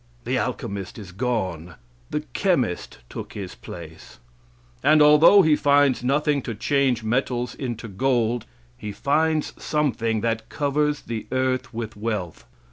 The alchemist is gone; the chemist took his place; and, although he finds nothing to change metals into gold, he finds something that covers the earth with wealth.